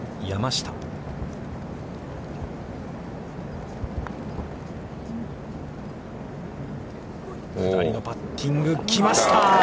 下りのパッティング、来ました。